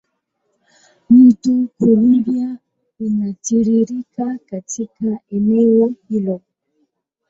Mto Columbia unatiririka katika eneo hilo.